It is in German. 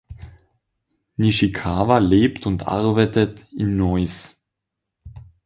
Nishikawa lebt und arbeitet in Neuss.